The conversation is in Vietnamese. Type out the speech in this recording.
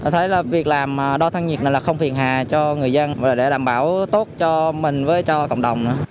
thấy là việc làm đo thân nhiệt này là không phiền hà cho người dân để đảm bảo tốt cho mình với cho cộng đồng nữa